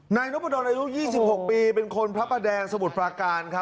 นายนวดลยุ๒๖ปีเป็นคนพระประแดงสมุทรปลาการ